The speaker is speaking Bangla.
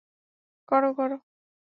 করো, করো।